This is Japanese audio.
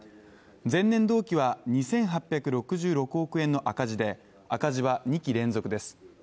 前年同期は２８６６億円の赤字で、赤字は２期連続です。